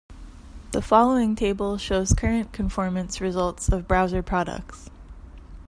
The following table shows current conformance results of browser products.